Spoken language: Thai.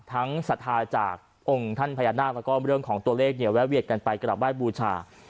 ทั้งสัทธาจากองค์ท่านพญานาคและเรื่องของตัวเลขแวะเวียดกันไปกระดับว่าบูชา